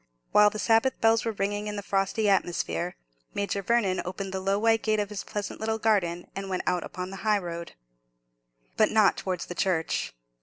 While the Sabbath bells were ringing in the frosty atmosphere, Major Vernon opened the low white gate of his pleasant little garden, and went out upon the high road. But not towards the church.